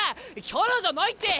キャラじゃないって！